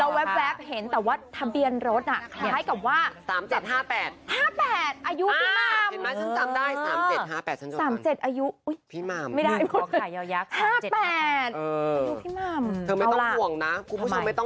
แล้วแว๊บเห็นแต่ว่าทะเบียนรถคล้ายกับว่า